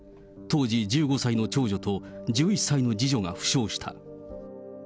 当時１５歳の長女と、１１歳の次女が負傷した。